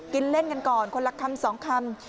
เล่นกันก่อนคนละคำ๒คำ